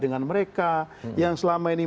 dengan mereka yang selama ini